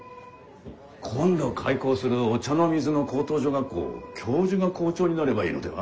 今度開校する御茶ノ水の高等女学校教授が校長になればいいのでは？